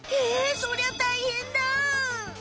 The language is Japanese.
そりゃたいへんだ！